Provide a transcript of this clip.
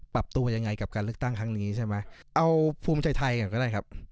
ปรับตัวยังไงกับการเลือกตั้งครั้งนี้ใช่ไหมเอาภูมิใจไทยก่อนก็ได้ครับ